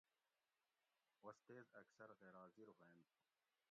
استیز اکثر غیر حاضر ہوینت